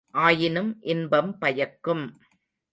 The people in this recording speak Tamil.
ஆயினும் இன்பம் பயக்கும்.